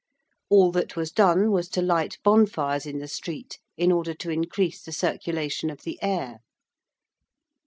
All that was done was to light bonfires in the street in order to increase the circulation of the air.